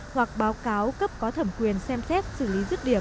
hoặc báo cáo cấp có thẩm quyền xem xét xử lý rứt điểm